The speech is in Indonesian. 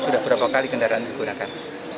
sudah berapa kali kendaraan digunakan